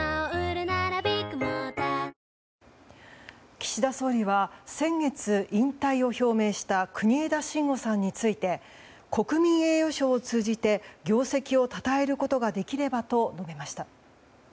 岸田総理は先月、引退を表明した国枝慎吾さんについて国民栄誉賞を通じて業績をたたえることができればと述べました。